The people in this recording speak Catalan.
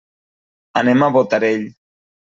Anem a Botarell.